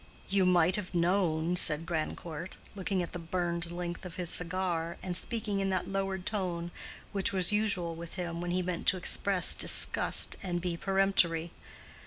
"You might have known," said Grandcourt, looking at the burned length of his cigar, and speaking in that lowered tone which was usual with him when he meant to express disgust and be peremptory.